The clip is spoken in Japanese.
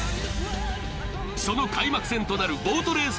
園開幕戦となるボートレース